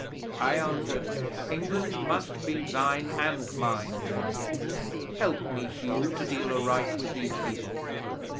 I answered: "England must be thine and mine, then. Help me, Hugh, to deal aright with these people.